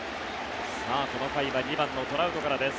この回は２番のトラウトからです。